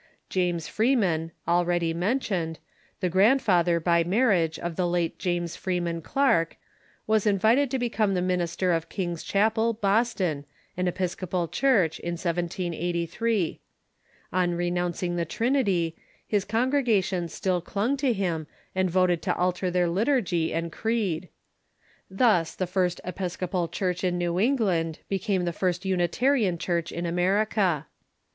James Freeman, already mentioned, the grand father, by marriage, of the late James Freeman Clarke, was in vited to become the minister of King's Chapel, Boston, an Epis copal Church, in 1783. On renouncing the Trinity, his congre gation still clung to him, and voted to alter their liturgy and creed. "Thus the first Episcopal Church in New England became the first Unitarian Church in America."